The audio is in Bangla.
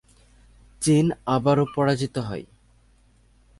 চীন আবারও পরাজিত হয়।